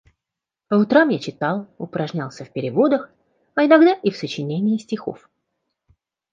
По утрам я читал, упражнялся в переводах, а иногда и в сочинении стихов.